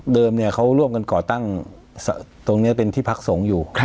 เขาร่วมกันก่อตั้งตรงนี้เป็นที่พักสงฆ์อยู่